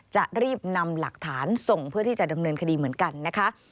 จะรีบนำหลักฐานส่งเพื่อที่จะดำเนินคดีเหมือนกันนะคะ